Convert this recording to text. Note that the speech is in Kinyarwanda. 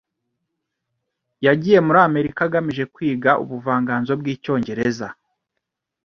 Yagiye muri Amerika agamije kwiga ubuvanganzo bw'icyongereza.